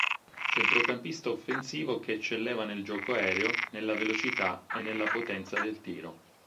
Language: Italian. Centrocampista offensivo che eccelleva nel gioco aereo, nella velocità e nella potenza del tiro.